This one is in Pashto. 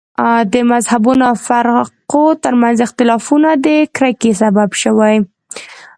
د مذهبونو او فرقو تر منځ اختلافونه د کرکې سبب شوي.